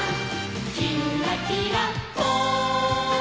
「きんらきらぽん」